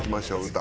歌。